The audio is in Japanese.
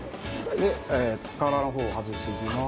で殻の方を外していきます。